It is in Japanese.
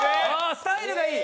「スタイルがいい」！